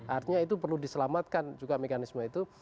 artinya itu perlu diselamatkan juga mekanisme itu